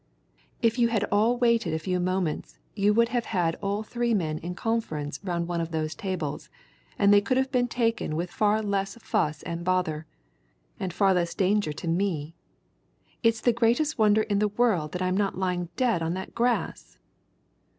If you had all waited a few moments you would have had all three men in conference round one of those tables, and they could have been taken with far less fuss and bother and far less danger to me. It's the greatest wonder in the world that I'm not lying dead on that grass!"